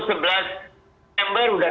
sepuluh sebelas september sudah